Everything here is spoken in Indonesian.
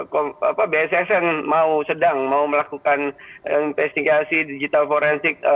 kalau bssn mau sedang mau melakukan investigasi digital forensik